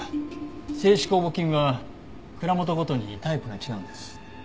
清酒酵母菌は蔵元ごとにタイプが違うんです。